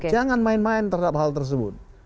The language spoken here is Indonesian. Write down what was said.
jangan main main terhadap hal tersebut